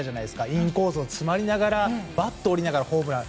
インコースに詰まりながらバットを折りながらのホームラン。